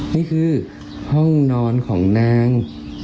นี่คือห้องนอนของนาง